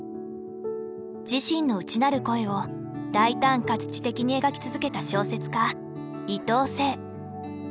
自身の内なる声を大胆かつ知的に描き続けた小説家伊藤整。